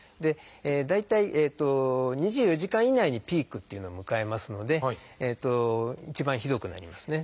大体２４時間以内にピークっていうのを迎えますので一番ひどくなりますね。